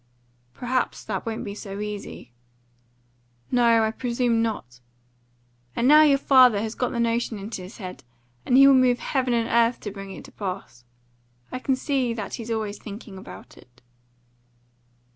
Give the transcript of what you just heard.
"Perhaps that won't be so easy." "No, I presume not. And now your father has got the notion in his head, and he will move heaven and earth to bring it to pass. I can see that he's always thinking about it."